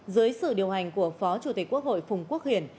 dưới sự điều hành của phó chủ tịch quốc hội phùng quốc hiển